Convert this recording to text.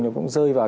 nó cũng rơi vào